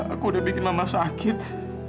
aku udah bikin mama sakit